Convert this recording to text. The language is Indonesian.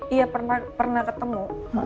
iya pernah ketemu